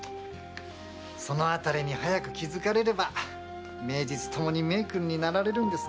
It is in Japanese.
そのあたりに早く気づかれれば名実ともに名君になられるんですがねぇ。